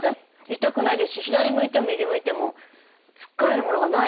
痛くないですし左向いても右向いてもつっかえるものがない。